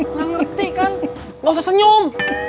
nggak ngerti kan nggak usah senyum